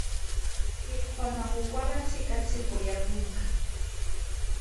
Ke kgona go kwala tshekatsheko ya buka.